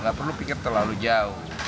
nggak perlu pikir terlalu jauh